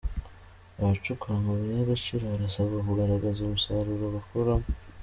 Abacukura amabuye y’agaciro barasabwa kugaragaza umusaruro bakuramo